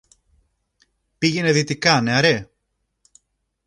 Πήγαινε δυτικά, νεαρέ